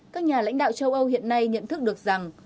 các nhà lãnh đạo châu âu hiện nay nhận thức được rằng